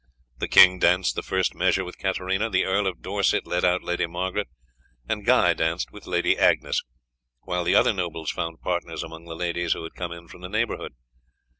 The king danced the first measure with Katarina, the Earl of Dorset led out Lady Margaret, and Guy danced with Lady Agnes, while the other nobles found partners among the ladies who had come in from the neighbourhood.